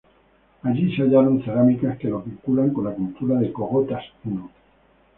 Allí se hallaron cerámicas que lo vinculan con la cultura de "Cogotas I".